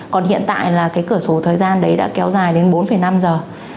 còn hiện tại là cái cửa sổ thời gian đấy đã kéo dài đến bốn năm giờ